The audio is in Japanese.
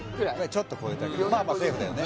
ちょっと超えたけどセーフだよね